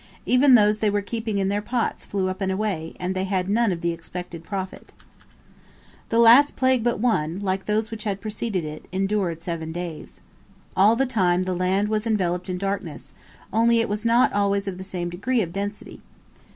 Even those they were keeping in their pots flew up and away, and they had none of the expected profit. The last plague but one, like those which had preceded it, endured seven days. All the time the land was enveloped in darkness, only it was not always of the same degree of density.